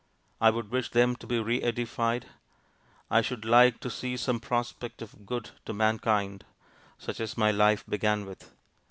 I would wish them to be re edified. I should like to see some prospect of good to mankind, such as my life began with.